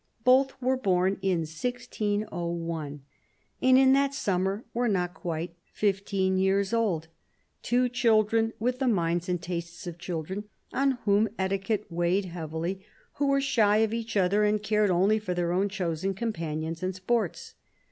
Both were born in 1601, and in that summer were not quite fifteen years old : two children, with the minds and tastes of children, on whom etiquette weighed heavily, who were shy of each other, and cared only for their own chosen companions and sports.